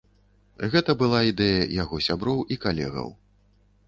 Гэта была ідэя яго сяброў і калегаў.